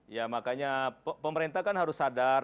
ya makanya pemerintah kan harus sadar